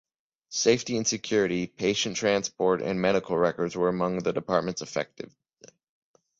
Safety and Security, Patient Transport and Medical Records were among the departments affected.